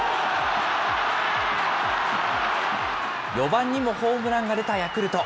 ４番にもホームランが出たヤクルト。